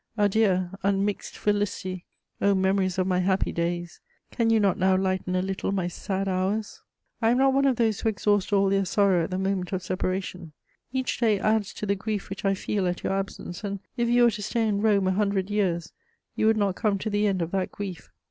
Adieu, unmixed felicity! O memories of my happy days, can you not now lighten a little my sad hours? "I am not one of those who exhaust all their sorrow at the moment of separation; each day adds to the grief which I feel at your absence and, if you were to stay in Rome a hundred years, you would not come to the end of that grief.